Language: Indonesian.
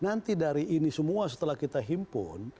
nanti dari ini semua setelah kita himpun